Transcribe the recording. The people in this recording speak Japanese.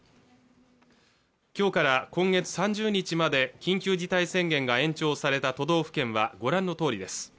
きょうから今月３０日まで緊急事態宣言が延長された都道府県はご覧のとおりです